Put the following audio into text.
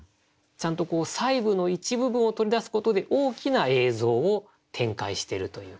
ちゃんと細部の一部分を取り出すことで大きな映像を展開しているという句だと思いました。